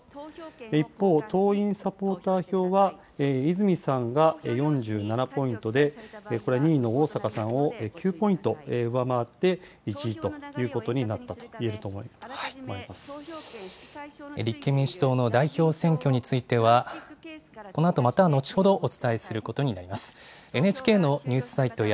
一方、党員・サポーター票は、泉さんが４７ポイントで、これ、２位の逢坂さんを９ポイント上回って１位ということになったと言立憲民主党の代表選挙については、このあとまたのちほど、お伝えすることになります。